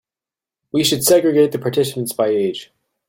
We should segregate the participants by age.